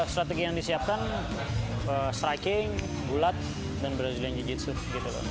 strategi yang disiapkan striking bulat dan brazilian jiu jitsu gitu loh